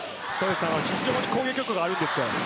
非常に攻撃力があるんです。